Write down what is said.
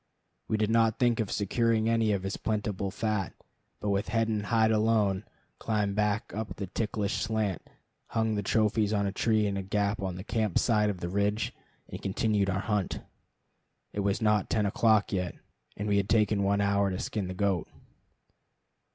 We did not think of securing any of his plentiful fat, but with head and hide alone climbed back up the ticklish slant, hung the trophies on a tree in a gap on the camp side of the ridge, and continued our hunt. It was not ten o'clock yet, and we had taken one hour to skin the goat.